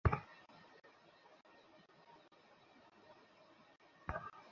অবশ্যই, আমরা এসব করতে যাচ্ছি।